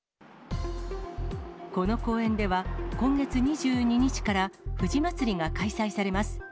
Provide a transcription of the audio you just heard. この公園では今月２２日から藤まつりが開催されます。